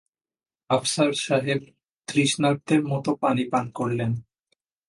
আফসার সাহেব তৃষ্ণার্তের মতো পানি পান করলেন।